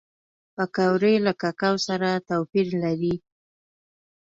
پکورې له کوکو سره توپیر لري